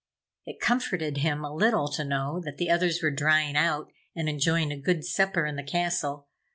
It comforted him a little to know that the others were drying out and enjoying a good supper in the castle.